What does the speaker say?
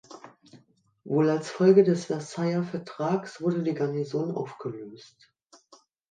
Wohl als Folge des Versailler Vertrags wurde die Garnison aufgelöst.